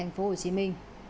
xin chào quý vị